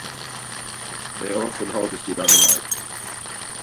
They are often harvested unripe.